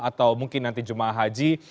atau mungkin nanti jemaah haji